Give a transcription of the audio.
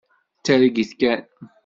D targit kan.